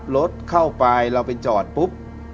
รถเข้าไปเราไปจอดปุ๊บ